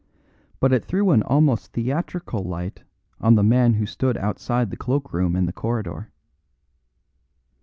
But it threw an almost theatrical light on the man who stood outside the cloak room in the corridor.